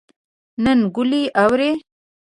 نن ګلۍ اوري